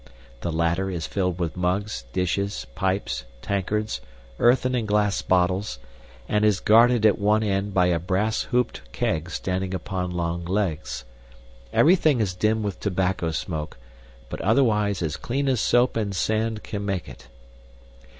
The latter is filled with mugs, dishes, pipes, tankards, earthen and glass bottles, and is guarded at one end by a brass hooped keg standing upon long legs. Everything is dim with tobacco smoke, but otherwise as clean as soap and sand can make it.